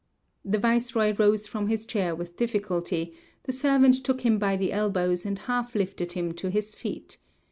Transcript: The viceroy rose from his chair with difficulty; the servant took him by the elbows and half lifted him to his feet.